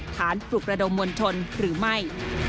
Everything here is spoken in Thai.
ฐานปลุกระดมมนทลหรือไม่